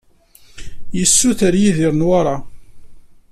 Yessuter Yidir Newwara.